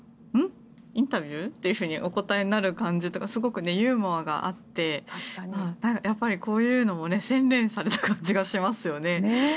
インタビュー？というふうにお答えになる感じはすごくユーモアがあってこういうのも洗練された感じがしますよね。